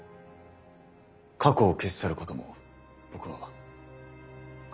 過去を消し去ることも僕は覚悟しています。